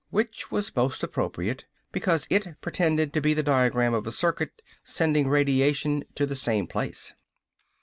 Which was most appropriate, because it pretended to be the diagram of a circuit sending radiation to the same place.